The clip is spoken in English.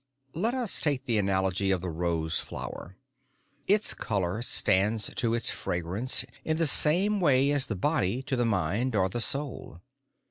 Let us take the analogy of the rose flower. Its colour stands to its fragrance in the same way as the body to the mind or the soul.